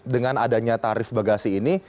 dengan adanya tarif bagasi ini